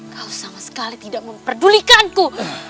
kau sama sekali tidak memperdulikanku